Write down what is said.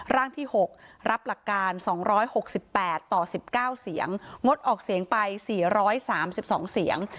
ร่างที่๖รับหลักการ๒๖๘ต่อ๑๙เสียงงดออกเสียงไป๔๓๒เสียง